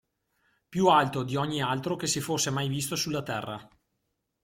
Più alto di ogni altro che si fosse mai visto sulla terra.